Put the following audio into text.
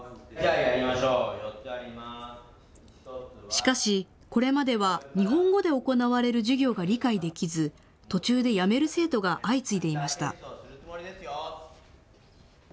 しかしこれまでは日本語で行われる授業が理解できず途中で辞める生徒が相次いでいました。